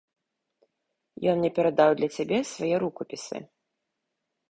Ён мне перадаў для цябе свае рукапісы.